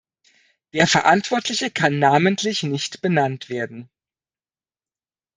Der Verantwortliche kann namentlich nicht benannt werden.